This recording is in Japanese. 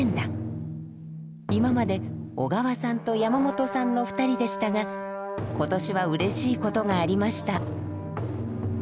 今まで小川さんと山本さんの２人でしたが今年はうれしいことがありました。